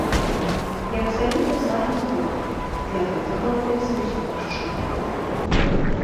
Я абсалютна з вамі згодны, для гэтага робіцца ўсё магчымае.